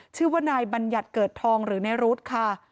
ชื่อว่านายบัญญัติเกิดทองหรือในรุ๊ดค่ะ